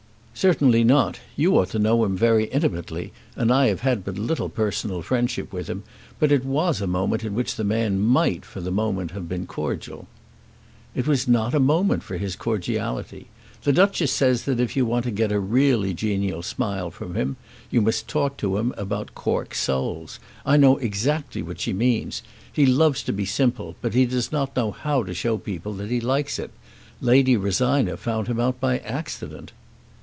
"Certainly not. You ought to know him very intimately, and I have had but little personal friendship with him. But it was a moment in which the man might, for the moment, have been cordial." "It was not a moment for his cordiality. The Duchess says that if you want to get a really genial smile from him you must talk to him about cork soles. I know exactly what she means. He loves to be simple, but he does not know how to show people that he likes it. Lady Rosina found him out by accident."